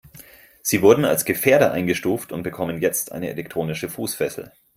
Sie wurden als Gefährder eingestuft und bekommen jetzt eine elektronische Fußfessel.